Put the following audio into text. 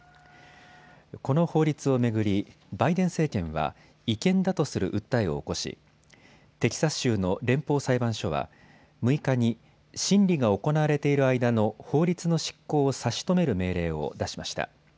この法律を巡り、バイデン政権は違憲だとする訴えを起こしテキサス州の連邦裁判所は６日に審理が行われている間の法律の執行を差し止める命令を出しました。